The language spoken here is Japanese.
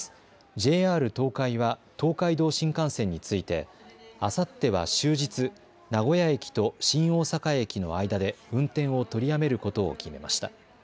ＪＲ東海は東海道新幹線についてあさっては終日、名古屋駅と新大阪駅の間で運転を取りやめることを決めました。